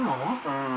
うん。